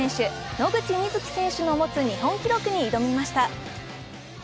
野口みずき選手の持つ日本記録に挑みました。